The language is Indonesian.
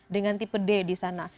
dengan tipe d disana